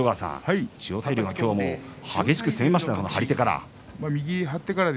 千代大龍は今日激しく攻めました、張り手から。